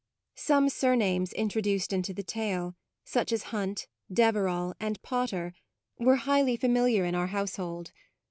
Some surnames intro duced into the tale such as Hunt, Deverall, and Potter were highly PREFATORY NOTE familiar in our household.